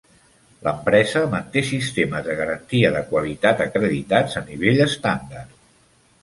L'empresa manté sistemes de garantia de qualitat acreditats a nivell estàndard.